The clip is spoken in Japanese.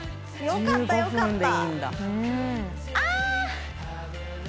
よかったよかった。